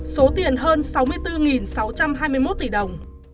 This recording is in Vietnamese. số tiền hơn sáu mươi bốn sáu trăm hai mươi một tỷ đồng